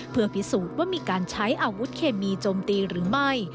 เพื่อพิสูจน์ว่ามีการใช้อาวุธเคมีโจมตีหรือไม่